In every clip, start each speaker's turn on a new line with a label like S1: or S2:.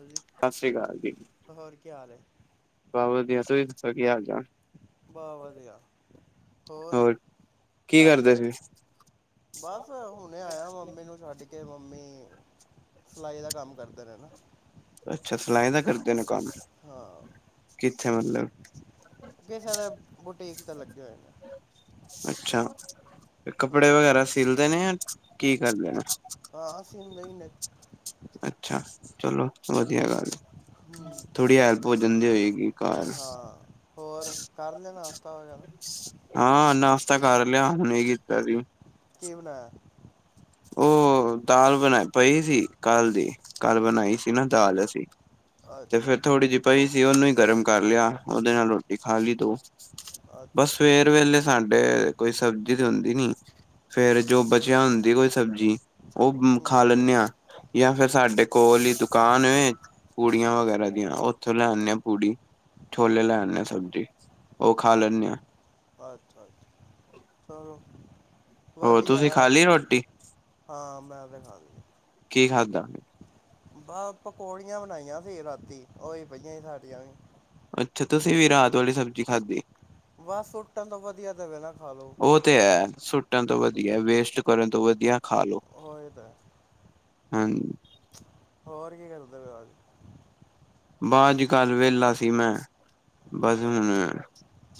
S1: ਹਾਂਜੀ
S2: ਸਤਿ ਸ਼੍ਰੀ ਅਕਾਲ ਜੀ
S1: ਹੋਰ ਕੀ ਹਾਲ ਹੈ
S2: ਬਾ ਵਦੀਆ ਤੁਸੀ ਦੱਸੋ ਕੀ ਹਾਲ ਚ
S1: ਬਹੁ ਵਧੀਆ ਹੋਰ
S2: ਕੀ
S1: ਕਰ
S2: ਕਰਦੇ
S1: ਲੈਣ।
S2: ਸੀ
S1: ਬਸ ਹੁਣੇ ਆਇਆ ਮੰਮੀ ਨੂੰ ਛੱਡ ਕੇ ਮੰਮੀ ਸਿਲਾਈ ਦਾ ਕੰਮ ਕਰਦੇ ਨੇ ਨਾ।
S2: ਅੱਛਾ ਸਿਲਾਈ ਦਾ ਕਰਦੇ ਨੇ ਕੰਮ
S1: ਹਾਂ
S2: ਕਿੱਥੇ ਮਤਲਬ?
S1: ਕਿਸੇ ਦੇ ਬੁਟੀਕ ਤਾਂ ਲੱਗੇ ਹੋਏ ਨੇ।
S2: ਅੱਛਾ ਕੱਪੜੇ
S1: ਹਾਂ
S2: ਵਗੈਰਾ ਸਿਲਦੇ ਨੇ ਜਾਂ ਕੀ ਕਰਦੇ ਨੇ।
S1: ਹਾਂ ਸੀਦੇ ਈ ਨੇ
S2: ਅੱਛਾ ਚਲੋ ਵਧੀਆ ਗੱਲ
S1: ਹੂੰ
S2: ਥੋੜ੍ਹੀ ਹੈਲਪ ਹੋ ਜਾਂਦੀ ਹੋਏਗੀ। ਘਰ
S1: ਹਾਂ ਹੋਰ ਕਰ ਲੈ ਣਾਸਤਾ ਵਗੈਰਾ।
S2: ਹਾਂ ਨਾਸਤਾ ਕਰ ਲਿਆ ਹੁਣੇ ਕੀਤਾ ਸੀ।
S1: ਕੀ ਬਣਾ ਇਐ
S2: ਉਹ ਦਾਲ ਬਣਾ ਪਈ ਸੀ ਕੱਲ੍ਹ ਦੀ ਕੱਲ ਬਣਾਈ ਸੀ ਨਾ ਦਾਲ ਅਸੀਂ। ਤੇ
S1: ਅੱਛਾ
S2: ਫੇਿਰ ਥੋੜ੍ਹੀ ਜਿਹੀ ਪਹੀ ਸੀ ਉਹਨੂੰ ਹੀ ਗਰਮ ਕਰ ਲਿਆ ਉਹਦੇ ਨਾਲ ਰੋਟੀ ਖਾ ਲਈ ਦੋ। ਬਸ
S1: ਅੱਛਾ
S2: ਸਵੇਰ ਵੇਲੇ, ਸਾਡੇ ਕੋਈ ਸਬਜ਼ੀ ਤੇ ਹੁੰਦੀ ਨੀ। ਫੇਰ ਜੋ ਬਚਿਆ ਹੁੰਦੀ ਕੋਈ ਸਬਜ਼ੀ। ਉਹ ਬ ਮ ਖਾ
S1: ਹੂੰ
S2: ਲੈਨੇ ਆ। ਜਾਂ ਫੇਰ ਸਾਡੇ ਕੋਲ ਹੀ ਦੁਕਾਨ ਐ ਏਕ ਪੂੜੀਆਂ ਵਗੈਰਾ ਦੀਆਂ, ਉੱਥੋਂ ਲੈ ਆਨੇ ਆ ਪੂੜੀ। ਛੋਲੇ ਲੈ ਲੈਨੇ ਆ ਸਬਜ਼ੀ। ਉਹ ਖਾ ਲੈਨੇ ਆ।
S1: ਆਛਾ ਆਛਾ ਚਲੋ
S2: ਹੋਰ
S1: ਵਧੀਆ।
S2: ਤੁਸੀਂ ਖਾ ਲਈ ਰੋਟੀ
S1: ਹਾਂ ਮੈਂ ਤੇ ਖਾਲੀ ਐ।
S2: ਕੀ ਖਾਦਾ?
S1: ਬਾਹ ਪਕੌੜੀਆਂ ਵਣਾਈਆਂ ਸੀ ਰਾਤੀ ਉਹੀ ਪਈਆਂ ਸੀ ਸਾਡੀਆਂ ਵੀ।
S2: ਅੱਛਾ ਤੁਸੀਂ ਵੀ ਰਾਤ ਵਾਲੀ ਸਬਜ਼ੀ ਖਾਧੀ।
S1: ਬਹ ਸੁੱਟਣ ਤੋਂ ਵਧੀਆ ਦੇਵੇ ਨਾ ਖਾ ਲਓ।
S2: ਉਹ ਤੇ ਐ। ਸੁੱਟਣ ਤੋਂ ਵਧੀਆ ਵੇਸਟ ਕਰਨ ਤੋਂ ਵਧੀਆ ਖਾ ਲੋੋ।
S1: ਹਾਂ। ਇਹ ਤਾਂ ਹੈ।
S2: ਹਾਂਜੀ।
S1: ਹੋਰ ਕੀ ਕਰਦੇ ਵੇ ਆਜ?
S2: ਬਸ ਅੱਜ - ਕੱਲ੍ਹ ਵੇਹਲਾ ਸੀ ਮੈਂ। ਬਸ ਹੁਣ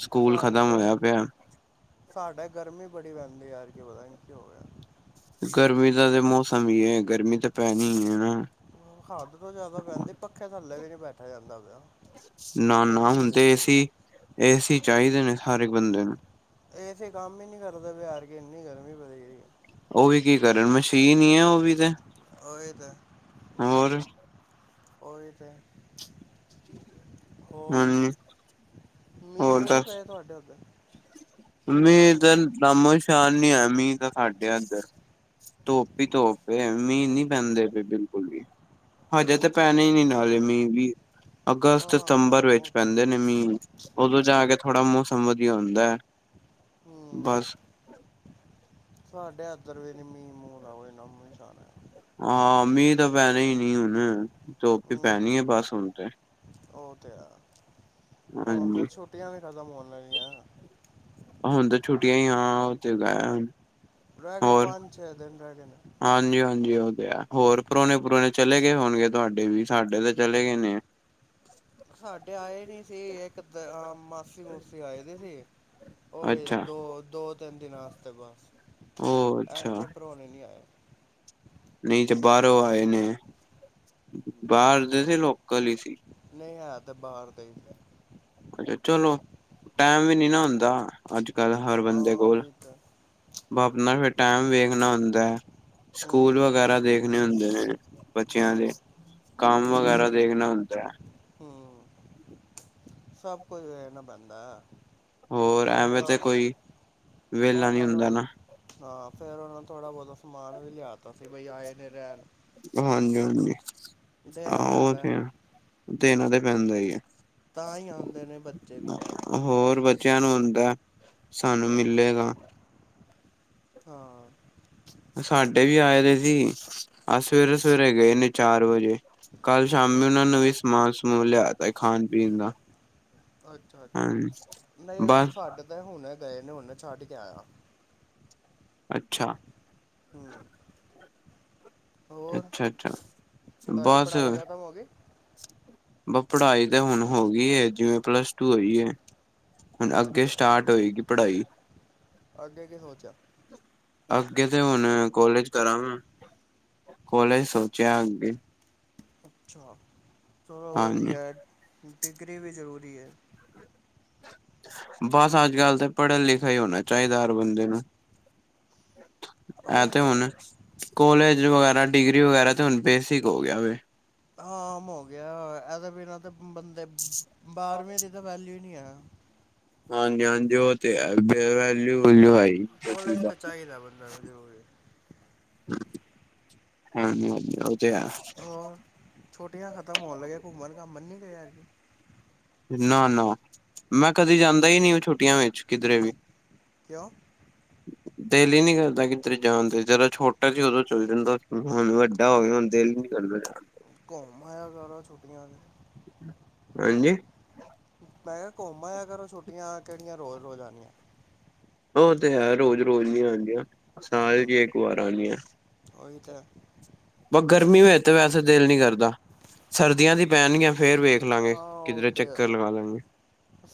S2: ਸਕੂਲ
S1: ਸਾਡੇ
S2: ਖ਼ਤਮ
S1: ਤਾਂ
S2: ਹੋਇਆ ਪਿਆ
S1: ਸਾਡੇ ਗਰਮੀ ਬੜੀ ਪੈਂਦੀ ਐਤਕੀ ਪਤਾ ਨੀ ਕੀ ਹੋ ਗਿਆ?
S2: ਗਰਮੀ ਦਾ ਤਾਂ ਮੌਸਮ ਹੀ ਏ। ਗਰਮੀ ਤਾਂ ਪੈਣੀ ਹੀ ਏ।
S1: ਹੱਦ ਤੋਂ ਜਿਆਦਾ ਪੈਂਦੀ। ਪੱਖੇ ਥੱਲੇ ਵੀ ਨੀ ਬੈਠਾ ਜਾਂਦਾ ਪਿਆ।
S2: ਨਾ-ਨਾ
S1: ਗਰਮੀ
S2: ਹੁਣ ਤੇ
S1: ਲੱਗਦੀ ਪਈ
S2: ਏਸੀ,
S1: ਹੈ
S2: ਏਸੀ ਚਾਹੀਦੇ ਨੇ, ਹਰ ਏਕ ਬੰਦੇ ਨੂੰ।
S1: ਏ ਸੀ ਕੰਮ ਹੀ ਨੀ ਕਰਦਾ ਹਾਰ ਕੇ ਇੰਨੀ ਗਰਮੀ ਵਧ ਰੀ ਏ।
S2: ਉਹ ਵੀ ਕੀ ਕਰਨ ਮਸ਼ੀਨ ਹੀ ਏ ਉਹ ਵੀ ਤੇ,
S1: ਆ ਇਹ ਤਾਂ ਏ।
S2: ਹੋਰ।
S1: ਹਾਂ। ਏਹ ਤਾਂ ਹੈ ਮੀਚ ਹੋਰ
S2: ਹਾਂਜੀ ਹੋਰ
S1: ਮੀਹ-ਮੂੰਹ ਨੀ
S2: ਦੱਸ
S1: ਪਏ ਤੁਹਾਡੇ ਉੱਧਰ
S2: ਮੀਂਹ। ਦਾ ਨਾਮੋਸ਼ਾਨ ਨੀ ਆ ਮੀਂਹ ਤਾਂ ਸਾਡੇ ਇੱਧਰ। ਧੋਪ ਹੀ ਧੋਪ ਮੀਂਹ ਨਹੀਂ ਪੈਂਦੇ, ਪਏ ਬਿਲਕੁਲ ਵੀ। ਹਜੇ ਤੇ
S1: ਅੱਛਾ
S2: ਪੈਣੇ ਹੀ ਨੀ ਨਾਲੇ ਮੀਂਹ ਵੀ ਅਗਸਤ, ਸਤੰਬਰ
S1: ਆਹ
S2: ਵਿੱਚ
S1: ਉਹ ਤੇ
S2: ਪੈਂਦੇ ਨੇ ਮੀਂਹ। ਉਦੋਂ ਜਾ ਕੇ ਥੋੜਾ ਮੌਸਮ ਵਧੀਆ ਹੁੰਦਾ ਹੈ।
S1: ਹਮ।
S2: ਬਸ।
S1: ਸਾਡੇ ਇੱਦਰ ਵੀ ਨ ਮੀਂਹ ਮੂੰਹ ਦਾ ਨਮੋਸ਼ਾਂਨਾ ਹੈ।
S2: ਹਾਂ ਮੀਹ ਤਾਂ ਪਹਿਨੇ ਹੀ ਨਹੀਂ ਹਨ ਧੱਪ ਪਹਿਨੀ
S1: ਹੂੰ
S2: ਹੈ ਬਸ ਹੁਣ ਤੇ।
S1: ਉਹ ਤੇ ਐ ਹੋਣ
S2: ਹਾਂਜੀ
S1: ਤੇ ਛੁੱਟੀਆਂ ਵੀ ਖਤਮ ਹੋਣ ਅਲੀਆਂ।
S2: ਹੁਣ ਤਾਂ ਛੁਟੀਆਂ ਹੀ ਆ ਉੱਥੇ ਗਏ ਅਨ।
S1: ਰਹਿ ਗੇ ਪੰਜ-ਛੇ ਦਿਨ ਰਹਿ ਗੇ ਨੇ।
S2: ਹਾਂਜੀ- ਹਾਂਜੀ। ਉਹ ਤੇ ਹੈ। ਹੋਰ ਪ੍ਰੌਹਣੇ ਪ੍ਰੁਣੇ ਚਲੇ ਗਏ ਹੋਣਗੇ ਤੁਹਾਡੇ ਵੀ। ਸਾਡੇ ਤਾਂ ਚਲੇ ਗਏ ਨੇ।
S1: ਸਾਡੇ ਆਏ ਨੀ ਸੀ। ਇੱਕ ਦ ਅ ਮਾਸੀ ਮੂਸੀ ਆਏ ਦੀ ਸੀ। ਉਹ ਵੀ
S2: ਅੱਛਾ
S1: ਦੋ ਦੋ -ਤਿੰਨ ਦਿਨਾਂ ਵਾਸਤੇ ਬਸ
S2: ਉਹ ਅੱਛਾ
S1: ਇੰਨੇ ਪਰੌਣੇ ਨਹੀ ਆਏ।
S2: ਨਹੀਂ ਜੇ ਬਾਹਰੋਂ ਆਏ ਨੇ, ਬਾਹਰ
S1: ਹੂੰ
S2: ਦੇ ਸੀ ਲੋਕਲ ਹੀ ਸੀ।
S1: ਨਹੀਂ ਹੈ ਤੇ, ਬਾਹਰ ਦਾ ਹੀ।
S2: ਅੱਛਾ ਚਲੋ ਟੈਮ ਵੀ ਨੀ ਨਾ ਹੁੰਦਾ ਅੱਜ-ਕੱਲ੍ਹ ਹਰ ਬੰਦੇ
S1: ਹਾਂ
S2: ਕੋਲ।
S1: ਇਹ ਤਾਂ
S2: ਬ ਆਪਣਾ ਫਿਰ ਟਾਈਮ ਵੇਖਣਾ ਹੁੰਦਾ ਐ। ਸਕੂਲ
S1: ਹੂੰ
S2: ਵਗੈਰਾ ਦੇਖਣੇ ਹੁੰਦੇ ਨੇ,
S1: ਹਾਂ
S2: ਬੱਚਿਆਂ ਦੇ।
S1: ਉਹ
S2: ਕਾਮ
S1: ਤੇ ਹੈ
S2: ਵਗੈਰਾ ਦੇਖਣਾ ਹੁੰਦਾ।
S1: ਹੂੰ ਮੀਚ ਸਭ ਕੁਜ ਹੋਏ ਨਾ ਬਣਦਾ।
S2: ਹੋਰ, ਐਵੇਂ ਤੇ ਕੋਈ, ਵਿਹਲਾ ਨੀ
S1: ਉਹਨਾਂ
S2: ਹੁੰਦਾ
S1: ਨੂੰ,
S2: ਨਾ
S1: ਹਾਂ ਫਿਰ ਉਹਨਾਂ ਨੂੰ ਥੋੜ੍ਹਾ ਬਹੁਤਾ ਸਮਾਨ ਵੀ ਲਿਆ ਤਾ ਸੀ। ਬਈ ਆਏ ਨੇ ਰਹਿਣ।
S2: ਹਾਂਜੀ‌-ਹਾਂਜੀ।
S1: ਦੇਣਾ
S2: ਆਹੋ ਉਹ
S1: ਪੈਂਦਾ
S2: ਤੇ
S1: ਹੈ।
S2: ਦੇਣਾ ਤੇ ਪੈਂਦਾ ਹੀ ਆ।
S1: ਤਾਂ ਹੀ ਆਉਂਦੇ ਨੇ ਬੱਚੇ ਵੀ।
S2: ਹੋਰ ਬੱਚਿਆਂ ਨੂੰ ਹੁੰਦਾ ਸਾਨੂੰ ਮਿਲੇਗਾ।
S1: ਹਾਂ।
S2: ਸਾਡੇ ਵੀ ਆਏ ਦੇ ਸੀ ਅ ਸਵੇਰੇ- ‌ਸਵੇਰੇ ਗਏ ਨੇ ਚਾਰ ਵਜੇ। ਕੱਲ੍ਹ ਸ਼ਾਮੀ ਉਹਨਾਂ ਨੂੰ ਵੀ ਸਮਾਨ ਸਮੂਨ ਲਿਆ ਤਾਂ ਸੀ ਖਾਣ ਪੀਣ ਦਾ।
S1: ਅੱਛਾ -ਅੱਛਾ,
S2: ਹਾਂਜੀ
S1: ਨਹੀਂ
S2: ਬਸ
S1: ਸਾਡੇ ਤਾਂ ਹੁਣੇ ਗਏ ਨੇ ਹੁਣ ਛੱਡ ਕੇ ਆਇਆ।
S2: ਅੱਛਾ।
S1: ਹਮ। ਹੋਰ
S2: ਅੱਛਾ ਅੱਛਾ
S1: ਤੁਹਾਡੀ
S2: ਬਸ
S1: ਪੜ੍ਹਾਈ ਖਤਮ ਹੋ ਗਈ।
S2: ਬ ਪੜ੍ਹਾਈ ਤਾਂ ਹੁਣ ਹੋ ਗਈ ਹੈ, ਜਿਵੇਂ ਪਲੱਸ ਟ। ਹੋਈ ਹੈ ਹੁਣ ਅੱਗੇ
S1: ਅੱਛਾ
S2: ਸਟਾਰਟ ਹੋਏਗੀ ਪੜ੍ਹਾਈ।
S1: ਅੱਗੇ ਕੀ ਸੋਚਿਆ।
S2: ਅੱਗੇ ਤੇ ਹੁਣ ਕੋਲੇਜ ਕਰਾਂ ਗਾ। ਕੋਲੇਜ ਸੋਚਿਆ ਅੱਗੇ।
S1: ਅੱਛਾ, ਥੋੜ੍ਹਾ ਬਹੁਤ
S2: ਹਾਂਜੀ
S1: ਗਿਆ ਡਿਗਰੀ ਵੀ ਜ਼ਰੂਰੀ ਹੈ।
S2: ਬਸ ਅੱਜ ਕੱਲ੍ਹ ਤਾਂ ਪੜ੍ਹਾ ਲਿਖਿਆ ਹੀ ਹੋਣਾ ਚਾਹੀਦਾ ਹਰ ਬੰਦੇ ਨੂੰ। ਐ
S1: ਉਹ
S2: ਤੇ
S1: ਆ
S2: ਹੁਨ। ਕੋਲੇਜ ਵਗੈਰਾ ਡਿਗਰੀ ਵਗੈਰਾ ਤੇ ਹੁਣ ਬੇਸਿਕ ਹੋ ਗਿਆ।
S1: ਆਮ ਹੋ ਗਿਆ ਇਹਦੇ ਬਿਨਾਂ ਤਾਂ ਬੰਦੇ, ਬਾਰਵੀ ਦੀ ਤਾਂ ਵੈਲਊ ਨਹੀਂ ਹੈ।
S2: ਹਾਂਜੀ ਹਾਂਜੀ, ੳਹ ਤੇ ਹੈ ਵੈਲਿਊ ਵੁਲੳ ਹੈ ਹੀ ਨਹੀ
S1: ਲਗਦੇ ਹੋਏ।
S2: ਹਾਜੀ ਹਾਂ ਉਹ ਤੇ ਆ।
S1: ਹੋਰ ਛੋਟੀਆਂ ਖਤਮ ਹੋਣ ਲਗੀਆਂ ਘੁੰਮਣ, ਘੰਮਣ ਨਹੀਂ ਗਏ ਐ ਕਿਤੋ।
S2: ਨਾ ਨਾ ਮੈਂ ਕਦੇ ਜਾਂਦਾ ਹੀ ਨਹੀਂ, ਉਹ ਛੁੱਟੀਆਂ ਵਿੱਚ ਕਿਧਰੇ ਵੀ।
S1: ਕਿਉਂ।
S2: [unintelligible] ਦਿਲ ਹੀ ਨੀ ਕਰਦਾ ਕਿੱਧਰ ਜਾਣ ਤੇ ਜਦੋਂ ਛੋਟਾ ਸੀ, ਉਦੋਂ ਚੱਲ ਜਾਂਦਾ ਹੁਣ ਵੱਡਾ ਹੋਵੇ ਹੁਣ ਦਿਲ ਹੀ। ਚੰਗਾ
S1: ਘੁੰਮ ਆਆ ਕਰ ਛੋਟੀਆਂ 'ਚ
S2: ਹਮ ਹਾਂਜੀ
S1: ਮੈਂ ਕਿਹਾ ਘੁੰਮਾ ਆ ਕਰੋ ਛੁੱਟੀਆਂ ਕਿਹੜੀਆਂ ਰੋਜ਼ ਰੋਜ਼ ਆਣੀਆਂ-
S2: ਉਹ ਤੇ ਹੈ ਰੋਜ਼ ਰੋਜ਼ ਨ ਆਉਂਦੀਆਂ ਸਾਲ ਜ
S1: ਹੂੰ
S2: ਇੱਕ ਵਾਰ ਆਣੀ ਹੈ-
S1: ਉਹੀ ਤਾਂ
S2: ਬ ਗਰਮੀ ਮ ਤੇ ਵੈਸੇ ਦਿਲ ਨੀ ਕਰਦਾ, ਸਰਦੀਆਂ ਦੀ ਪੈਣਗੀਆਂ ਫੇਰ ਵੇਖ। ਲਾਂਗੇ
S1: ਉਹ
S2: ਕਿੱਧਰੇ
S1: ਤੇ
S2: ਚੱਕਰ
S1: ਹੈਗਾ
S2: ਲਵਾ ਲਾਂਗੇ।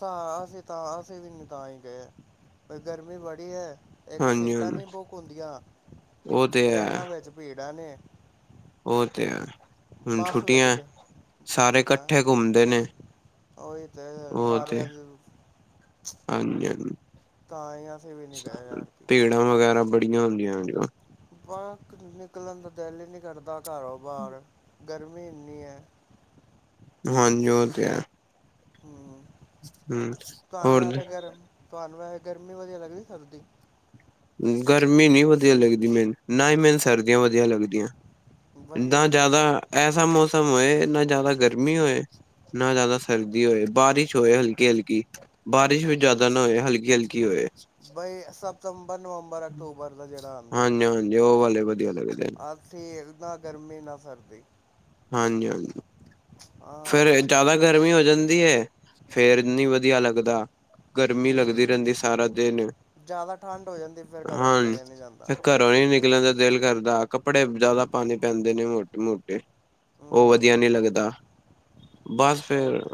S1: ਹਾਂ ਅਸੀਂ ਤਾਂ ਅਸੀਂ ਵੀ ਨਹੀਂ ਤਾਂ ਹੀ ਗਏ, ਗਰਮੀ ਬੜੀ ਹੈ। ਇੱਕ
S2: ਹਾਂਜੀ
S1: ਸੀਟਾਂ
S2: ਹਾਂਜੀ
S1: ਨਹੀਂ ਬੁੱਕ ਹੁੰਦੀਆਂ,
S2: ਉਹ ਤੇ ਹੈ
S1: ਟਰੇਨਾਂ ਵਿੱਚ ਭੀੜਾਂ ਨੇ।
S2: ਉਹ ਤੇ ਹੈ, ਹੁਣ
S1: ਬੱਸ ਵਿੱਚ
S2: ਛੁੱਟੀਆਂ ਸਾਰੇ ਇਕੱਠੇ ਘੁੰਮਦੇ ਨੇ।
S1: ੳਹੀ ਤੇ ਸਾਰਿਆਂ ਦੀ।
S2: ਹਾਂਜੀ-ਹਾਂਜੀ।
S1: ਤਾਂ ਅਸੀ ਵੀ ਨਹੀਂ ਗਏ
S2: ਭੀੜਾਂ ਵਗੈਰਾ ਬੜੀਆਂ ਹੁੰਦੀਆਂ ਹੁੰਦੀਆਂ।
S1: ਬਾਹ ਨਿਕਲਣ ਦਾ ਦਿਲ ਹੀ ਨਹੀਂ ਕਰਦਾ ਘਰੋਂ ਬਾਹਰ, ਗਰਮੀ ਇੰਨੀ ਹੈ।
S2: ਹਾਂਜੀ ੳਹ ਤੇ ਹੈ
S1: ਹ,
S2: ਹਮ
S1: ਤੁਹਾਨੂੰ
S2: ਹੋਰ
S1: ਵੈਸੇ ਗਰਮ ਤੁਹਾਨੂੰ ਵੈਸੇ ਗਰਮੀ ਵਧੀਆ ਲੱਗਦੀ ਸਰਦੀ
S2: ਗਰਮੀ ਨੀ ਵਧੀਆ ਲੱਗਦੀ ਮੈਨੂੰ, ਨਾ ਹੀ ਮੈਨੂੰ ਸਰਦੀਆਂ ਵਧੀਆ ਲੱਗਦੀਆਂ।
S1: ਵਧੀਆ
S2: ਨਾ
S1: ਹੀ ਲੱਗਦਾ
S2: ਜ਼ਿਆਦਾ, ਐਸਾ ਮੌਸਮ ਹੋਏ ਨਾ ਜ਼ਿਆਦਾ ਗਰਮੀ ਹੋਏ। ਨਾ ਜ਼ਿਆਦਾ ਸਰਦੀ ਹੋਏ, ਬਾਰਿਸ਼ ਹੋਏ ਹਲਕੀ ਹਲਕੀ ਬਾਰਿਸ਼ ਵੀ ਜ਼ਿਆਦਾ ਨਾ ਹੋਏ ਹਲਕੀ ਹਲਕੀ ਹੋਏ
S1: ਬਈ ਸਤੰਬਰ, ਨਵੰਬਰ, ਅਕਤੂਬਰ ਦਾ ਜਿਹੜਾ ਆਉਂਦੇ
S2: ਹਾਂਜੀ ਹਾਂਜੀ, ਉਹ ਵਾਲੇ ਵਧੀਆ ਲੱਗਦੇ ਨੇ
S1: ਠੀਕ, ਨਾ ਗਰਮੀ ਨਾ ਸਰਦੀ
S2: ਹਾਂਜੀ ਹਾਂਜੀ
S1: ਹਾਂ
S2: ਫੇਰ
S1: ਉਹ ਵੀ ਗੱਲ
S2: ਜ਼ਿਆਦਾ ਗਰਮੀ ਹੋ ਜਾਂਦੀ ਹੈ, ਫੇਰ ਨਹੀਂ ਵਧੀਆ ਲੱਗਦਾ ਗਰਮੀ
S1: ਹੂੰ
S2: ਲੱਗਦੀ ਰਹਿੰਦੀ ਸਾਰਾ ਦਿਨ
S1: ਜ਼ਿਆਦਾ ਠੰਡ ਹੋ ਜਾਂਦੀ ਫਿਰ ਘਰੋਂ ਨਿਕਲਿਆ ਨਹੀਂ ਜਾਂਦਾ
S2: ਫ ਘਰੋਂ ਨ ਨਿਕਲਣ ਦਾ ਦਿਲ ਕਰਦਾ ਕੱਪੜੇ ਜ਼ਿਆਦਾ ਪਾਣੀ ਪੈਂਦੇ ਨੇ ਮੋਟ ਮੋਟੇ ਉਹ ਵਧੀਆ
S1: ਹੂੰ
S2: ਨਹੀਂ ਲੱਗਦਾ ਬਸ
S1: ਉਹ
S2: ਫੇਰ,
S1: ਤੇ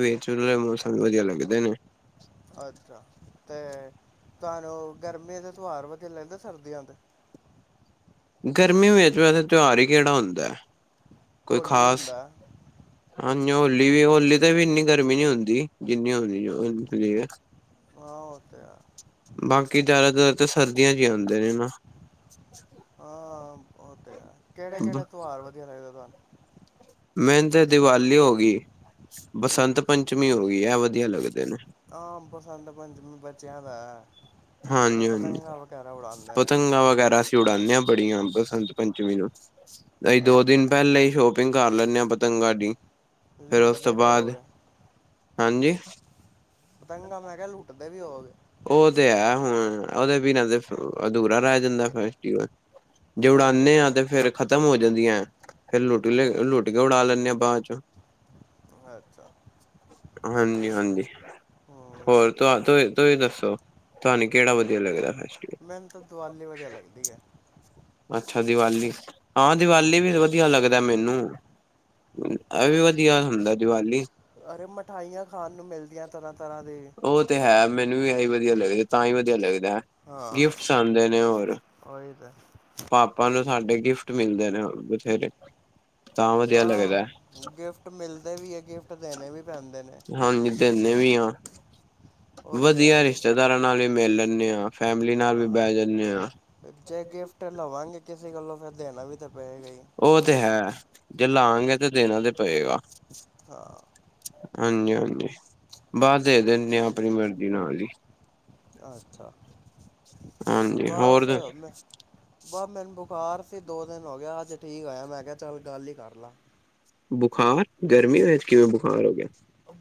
S2: ਵਿਚ ਵਾਲੇ ਮੌਸਮ ਵਧੀਆ ਲੱਗਦੇ ਨੇ
S1: ਅੱਛਾ ਤੇ ਤੁਹਾਨੂੰ ਗਰਮੀਆਂ ਦੇ ਤਿਉਹਾਰ ਲਗਦੇ, ਸਰਦੀਆਂ ਦੇ
S2: ਗਰਮੀ ਵਿੱਚ ਤੇ ਵੈਸੇ ਤਿਉਹਾਰ ਹੀ ਕਿਹੜਾ ਹੁੰਦਾ ਹੈ, ਕੋਈ
S1: ਹੋਲੀ
S2: ਖ਼ਾਸ?
S1: ਹੁੰਦਾ
S2: ਹਾਂਜੀ ਹੋਲੀ ਵੀ, ਹੋਲੀ ਤੇ ਵੀ ਇੰਨੀ ਗਰਮੀ ਨੀ ਹੁੰਦੀ ਜਿੰਨੀ, ਹੁੰਦੀ
S1: ਹਾਂ, ਓ ਤੇ ਹੈ।
S2: ਬਾਕੀ ਜ਼ਿਆਦਾਤਰ ਤਾਂ ਸਰਦੀਆਂ'ਚ ਹੀ ਹੁੰਦੇ ਨੇ, ਨਾ। [inaudible]
S1: ਆ, ਉਹ ਤੇ ਹੈ, ਕਿਹੜੇ
S2: ਨਾ
S1: ਕਿਹੜੇ ਤੋਹਾਰ ਵਧੀਆ ਲੱਗਦੇ ਤੁਹਾਨੂੰ?
S2: ਮੈਨੂੰ ਤੇ ਦੀਵਾਲੀ ਹੋਗੀ,
S1: ਹੂੰ
S2: ਬਸੰਤ ਪੰਚਮੀ ਹੋਗੀ, ਐ ਵਧੀਆ ਲੱਗਦੇ ਨੇ।
S1: ਹਾਂ, ਬਸੰਤ ਪੰਚਮੀ ਬਚਿਆਂ ਦੈ।
S2: ਹਾਂਜੀ-ਹਾਂਜੀ, ਪਤੰਗਾ ਵਗੈਰਾ ਉੜਾਂਨੇ ਆਂ ਬੜੀਆਂ ਬਸੰਤ ਪੰਚਮੀ ਨੂੰ। ਅਹੀ
S1: ਅੱਛਾ,
S2: ਦੋ-ਦਿਨ ਪਹਿਲਾਂ ਹੀ ਸ਼ੋ ਸ਼ੌਪਿੰਗ ਕਰ ਲੈਂਨੇ ਆ ਪਤੰਗਾ ਦੀ, ਫੇਰ ਉਸ ਤੋਂ
S1: ਲੁੱਟਦੇ ਵੀ
S2: ਬਾਅਦ,
S1: ਹੋਵੋਗੇ
S2: ਹਾਂਜੀ।
S1: ਪਤੰਗਾ ''ਮੈਂ ਕਿਹਾ ਲੁੱਟਦੇ ਵੀ ਹੋਓਗੇ?
S2: ਉਹ ਤੇ ਹੈ ਹੁਣ, ਉਹਦੇ ਬਿਨਾਂ ਤੇ ਅਧੂਰਾ ਰਹਿ ਜਾਂਦਾ ਫੈਸਟੀਵਲ। ਜੇ
S1: ਉਹ
S2: ਉਡਾਂਨੇ
S1: ਆ
S2: ਆਂ ਤੇ ਫਿਰ ਖ਼ਤਮ ਹੋ ਜਾਂਦੀਆਂ, ਫੇਰ ਲੁੱ,
S1: ਹੂੰ,
S2: ਲੁੱਟਕੇ ਉਡਾ ਲੈਂਨੇ ਆਂ, ਬਾਅਦ'ਚੋ।
S1: ਅੱਛਾ
S2: ਹਾਂਜੀ-ਹਾਂਜੀ,
S1: ਹੂੰ
S2: ਹੋਰ? ਤ੍ਹਵਾ, ਤੁਹੀ, ਤੁਹੀ ਦੱਸੋ? ਤੁਹਾਨੂੰ ਕਿਹੜਾ ਵਧੀਆ ਲੱਗਦਾ ਫੈਸਟੀਵਲ?
S1: ਮੈਨੂੰ ਤਾਂ ਦੁਵਾਲਲੀ ਵਧੀਆ ਲੱਗਦੀ ਏ।
S2: ਅੱਛਾ ਦੀੱਵਾਲੀ, ਹਾਂ
S1: ਹੂੰ
S2: ਦੀਵਾਲੀ ਵੀ ਵਧੀਆ ਲੱਗਦਾ ਮੈਨੂੰ। ਐਵੀ ਵਧੀਆ ਹੁੰਦਾ ਦੀਵਾਲੀ
S1: ਅਰੇ ਮਠਾਈਆਂ ਖਾਣ ਨੂੰ ਮਿਲਦੀਆਂ ਤਰ੍ਹਾਂ ਤਰ੍ਹਾਂ ਦੇ
S2: ਉਹ ਤੇ ਹੈ ਮੈਨੂੰ ਵੀ ਇਹੀ ਵਧੀਆ ਲੱਗਦਾ ਤਾਂ ਹੀ ਵਧੀਆ ਲੱਗਦਾ ਹੈ ਗਿਫਟਸ ਆਂਦੇ ਨੇ ਹੋਰ
S1: ਹੋ ਤਾਂ
S2: ਪਾਪਾ ਨੂੰ ਸਾਡੇ ਗਿਫਟ ਮਿਲਦੇ ਨੇ ਬਥੇਰੇ ਤਾਂ ਵਧੀਆ
S1: ਆ
S2: ਲੱਗਦਾ
S1: ਗਿਫਟ ਮਿਲਦੇ ਵੀ ਏ, ਗਿਫਟ ਦੇਣੇ ਵੀ ਪੈਂਦੇ ਨੇ।
S2: ਹਾਂਜੀ, ਦੇਂਨੇ ਵੀ ਆਂ।
S1: ਉਹ ਤੇ ਹੈ
S2: ਵਧੀਆ
S1: ਅੱਜ
S2: ਰਿਸ਼ਤੇਦਾਰਾਂ ਨਾਲ ਵੀ ਮਿਲ ਲੈਂਨੈ ਹਾਂ, ਫੈਮਿਲੀ ਨਾਲ ਵੀ
S1: ਹਾਂ
S2: ਬਹਿ ਜਾਂਨੇੇ ਆਂ।
S1: ਜੇ ਗਿਫਟ ਲਵਾਂਗੇ ਕਿਸੇ ਕੋਲੋ, ਫਿਰ ਦੇਣਾ ਵੀ ਤਾਂ ਪਏਗਾ ਈ।
S2: ਉਹ ਤੇ ਹੈ। ਜੇ ਲਾਂਗੇ ਤੇ ਦੇਣਾ ਤੇ ਪਇਗਾ।
S1: ਹਾ‌।
S2: ਹਾਂਜੀ-ਹਾਂਜੀ। ਬਾਅਦ ਦੇ ਦਿੰਨੇ ਆਂ, ਆਪਣੀ ਮਰਜ਼ੀ ਨਾਲ ਹੀ।
S1: ਅੱਛਾ
S2: ਹਾਂਜੀ, ਹੋਰ
S1: ਬਸ ਮੈਂ ਬਸ ਮੈਨੂੰ ਬੁਖਾਰ ਸੀ ਦੋ ਦਿਨ ਹੋਗਿਆ, ਅੱਜ ਠੀਕ ਹੋਇਆਂ, ਮੈਂ ਕਿਹਾ ਚੱਲ ਗੱਲ ਹੀ ਕਰਲਾ।
S2: ਬੁਖਾਰ! ਗਰਮੀ ਵਿੱਚ ਕਿਵੇਂ ਬੁਖਾਰ ਹੋਗਿਆ?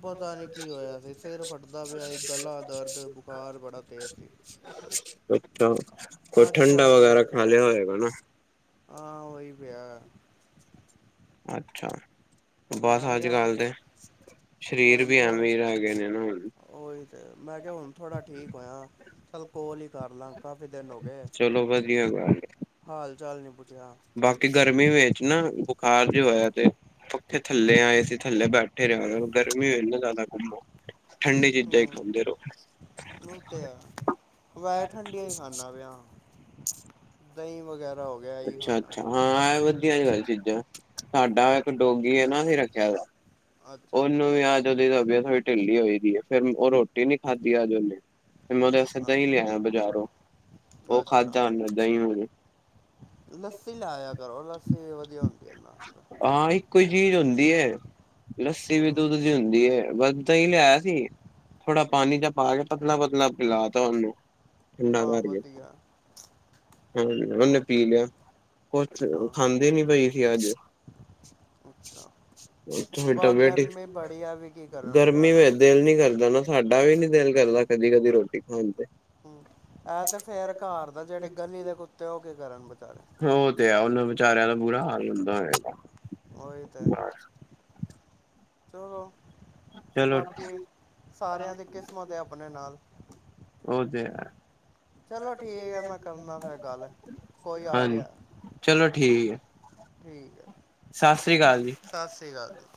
S1: ਪਤਾ ਨੀ ਕੀ ਹੋਇਆ ਸੀ ਸਿਰ ਫਟਦਾ ਪਿਆ ਸੀ ਗਲਾ ਦਰਦ ਬੁਖਾਰ ਬੜਾ ਤੇਜ਼
S2: [unintelligible]
S1: ਸੀ।
S2: ਅੱਛਾ। ਕੋਈ
S1: ਅੱਜ
S2: ਠੰਡਾ
S1: ਥੋੜ੍ਹਾ ਫ਼ਰਕ
S2: ਵਗੈਰਾ
S1: ਪਿਆ
S2: ਖਾਲਿਆ ਹੋਇਗਾ ਨਾ?
S1: ਹਾਂ ਉਹੀ ਪਿਆ
S2: ਅੱਛਾ ਬਸ
S1: ਮੈਂ
S2: ਅੱਜ
S1: ਕਿਹਾ
S2: ਕੱਲ ਦੇ ਸਰੀਰ
S1: ਹੁਣ
S2: ਵੀ
S1: ਥੋੜ੍ਹਾ
S2: ਐਵੇਂ ਰੈ ਗਏ ਨੇ ਹੁਣ
S1: ਉਹੀ ਤਾਂ ਮੈਂ ਕਿਹਾ ਹੁਣ ਥੋੜ੍ਹਾ ਠੀਕ ਹੋਇਆ ਚੱਲ ਕੋਲ ਹੀ ਕਰਲਾ ਕਾਫੀ ਦਿਨ ਹੋ ਗਏ
S2: ਚਲੋ ਵਧੀਆ ਗੱਲ ਏ।
S1: ਹਾਲ ਚਾਲ ਨਹੀਂ ਪੁੱਛਿਆ
S2: ਬਾਕੀ ਗਰਮੀ ਵਿੱਚ ਨਾ ਬੁਖਾਰ ਜੇਆ ਹੋਇਆ ਪਿਆ ਪੱਖੇ ਥੱਲੇ ਆਏ ਸੀ ਥੱਲੇ ਬੈਠੇ ਰਿਹਾ ਗਰਮੀ ਹੋ ਰਹੀ ਜਿਆਦਾਤਰ ਠੰਡੀ ਚੀਜ਼ਾਂ ਹੀ ਖਾਂਦੇ ਰਹੋ
S1: ਉੱਤੇ ਆ ਵੈਸੇ ਠੰਡੀਆਂ ਹੀ ਖਾਂਦਾ ਪਿਆ ਦਹੀਂ ਵਗੈਰਾ ਤ ਹੋ ਗਿਆ ਹੀ ਖਾਨਾ ਪਿਆ
S2: ਟੀ ਆਈ ਚੀਜ਼ਾਂ, ਸਾਡਾ ਇੱਕ ਡੋਗੀ ਹੈਨਾ ਅਸੀ ਰੱਖਿਆ ਦ
S1: ਅੱਛਾ
S2: ਉਹਨੂੰ ਵੀ ਅਜ ਉਹਦੀ ਤਬੀਅਤ ਵੀ ਢਿੱਲੀ ਹੋਈਦੀ ਹੈ, ਫੇਰ ਉਹ ਰੋਟੀ ਨੀ ਖਾਧੀ ਅਜ ਉਹਨੇ ਫਿਰ ਮੈਂ ਉਂਹਦੇ ਵਾਸਤੇ
S1: ਹਾਂ
S2: ਦਹੀਂ ਲਿਆਇਆ ਬਜਾਰੋਂ, ਉਹ
S1: ਅੱਛਾ।
S2: ਖਾਧਾ ਉਹਨੇ, ਦਹੀਂ ਉਹਨੇ
S1: ਲੱਸੀ ਲਾਇਆ ਕਰੋ, ਲੱਸੀ ਵਧੀਆ ਹੁੰਦੀ ਇਨਾਂ ਵਾਸਤੇ
S2: ਹਾਂ ਇੱਕੋ ਹੀ ਚੀਜ਼ ਹੁੰਦੀ ਹੈ ਲੱਸੀ ਵੀ ਦੁੱਧ ਦੀ ਹੁੰਦੀ ਹੈ, ਬ ਦਹੀ ਲਿਆਇਆ ਸੀ, ਥੋੜਾ ਪਾਣੀ ਜਾ ਪਾ ਕੇ ਪਤਲਾ ਪਤਲਾ ਪਿਲਾ ਤਾ ਉਹਨੂੰ, ਠੰਡਾ
S1: ਹਾਂ
S2: ਕਰਕੇ
S1: ਵਧੀਆ
S2: ਹਾਂ ਉਹਨੇ
S1: ਉਹ
S2: ਪੀ
S1: ਤੇ ਹੈ।
S2: ਲਿਆ, ਕੁਛ
S1: ਹਾਂ
S2: ਖਾਂਦੇ ਨੀ ਪਈ ਸੀ ਅੱਜ
S1: ਅੱਛਾ,
S2: ਥੋੜੀ
S1: ਬ
S2: ਤਬੀਅਤ
S1: ਗਰਮੀ ਬੜੀ ਆ ਵੀ ਕੀ ਕਰਨ
S2: ਗਰਮੀ
S1: ਵਿਚਾਰੇ
S2: ਵਿੱਚ ਦਿਲ ਨੀ ਕਰਦਾ ਨਾ, ਸਾਡਾ ਵੀ ਨੀ ਦਿਲ ਕਰਦਾ ਕਦੀ -ਕਦੀ ਰੋਟੀ ਖਾਣ ਤੇ
S1: ਹਮ, ਇਹ ਤੇ ਫੇਰ ਘਰ ਦਾ, ਜਿਹੜੇ ਗਲੀ ਦੇ ਕੁੱਤੇ, ਉਹ ਕੀ ਕਰਨ ਵਿਚਾਰੇ
S2: ਉਹ ਤੇ ਆ, ਉਹਨਾ ਵਿਚਾਰਿਆਂ ਦਾ ਬੁਰਾ ਹਾਲ ਹੁੰਦਾ ਹੋਏਗਾ।
S1: ਉਹੀ ਤੇ ਹੈ, ਚਲੋ
S2: ਚਲੋ
S1: ਬਾਕੀ, ਸਾਰਿਆਂ ਦੀ ਕਿਸਮਤ ਹੈ ਆਪਣੇ ਨਾਲ
S2: ਔ ਤੇ ਐ।
S1: ਚਲੋ ਠੀਕ ਹੈ ਮੈਂ ਕਰਨਾ ਫਿਰ ਗੱਲ ਕੋਈ ਆ
S2: ਹਾਂਨ
S1: ਗਿਆ
S2: ਚਲੋ ਠੀਕ ਐ।
S1: ਠੀਕ ਐ।
S2: ਸਾਸ ਸ਼੍ਰੀ ਕਾਲ ਜੀ।
S1: ਸਾ ਸ਼੍ਰੀ ਕਾਲ।